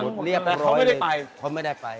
ควรมาดซะแล้วเขาไม่ได้ไป